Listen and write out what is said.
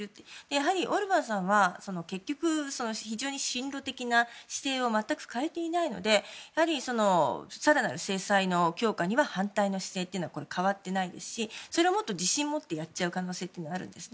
やはりオルバーンさんは親ロ的な姿勢を全く変えていないので更なる制裁の強化に反対の姿勢というのは変わってないですしそれをもっと自信もってやっちゃう可能性があるんです。